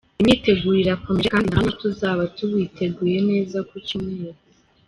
“Imyiteguro irakomeje kandi ndahamya ko tuzaba tubiteguye neza ku Cyumweru.